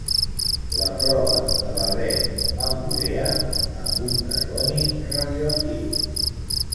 La prova de l'alè amb urea amb un carboni radioactiu.